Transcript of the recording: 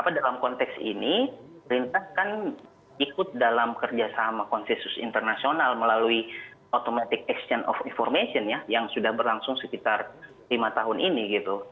dalam konteks ini perintah kan ikut dalam kerjasama konsensus internasional melalui automatic exchant of information ya yang sudah berlangsung sekitar lima tahun ini gitu